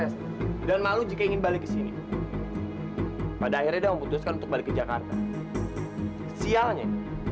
sampai jumpa di video selanjutnya